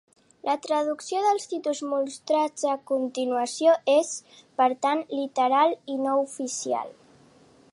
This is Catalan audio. La traducció dels títols mostrats a continuació és, per tant, literal i no oficial.